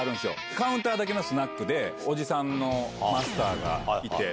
カウンターだけのスナックでおじさんのマスターがいて。